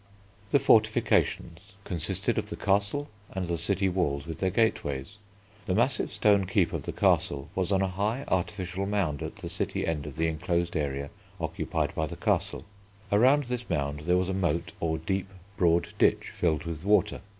The Fortifications consisted of the Castle and the city Walls with their gateways. The massive stone Keep of the Castle was on a high artificial mound at the city end of the enclosed area occupied by the Castle. Around this mound there was a moat, or deep, broad ditch filled with water.